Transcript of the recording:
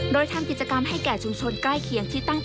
โดยทำกิจกรรมให้แก่ชุมชนใกล้เคียงที่ตั้ง